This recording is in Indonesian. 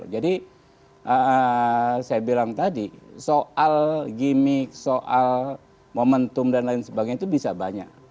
jadi saya bilang tadi soal gimmick soal momentum dan lain sebagainya itu bisa banyak